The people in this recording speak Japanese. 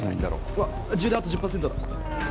うわ、充電、あと１０％だ。